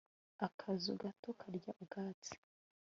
akazu gato karya ubwatsi